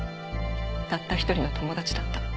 たった一人の友達だった。